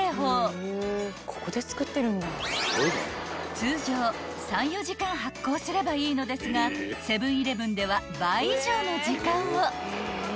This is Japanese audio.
［通常３４時間発酵すればいいのですがセブン−イレブンでは倍以上の時間を］